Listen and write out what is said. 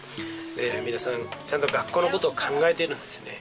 皆さんちゃんと学校のことを考えてるんですね